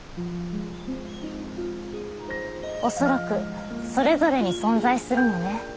恐らくそれぞれに存在するのね。